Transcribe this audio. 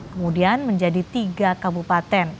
kemudian menjadi tiga kabupaten